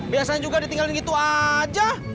biasanya juga ditinggalin gitu aja